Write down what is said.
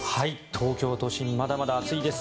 東京都心まだまだ暑いです。